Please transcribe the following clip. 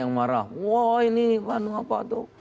yang marah wah ini apa tuh